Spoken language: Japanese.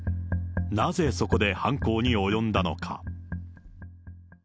なぜそこで犯行に及んだのか。